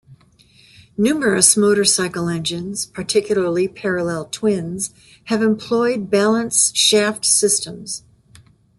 Numerous motorcycle engines, particularly parallel twins, have employed balance shaft systems.